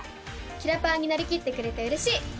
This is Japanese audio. キラパワになりきってくれてうれしい。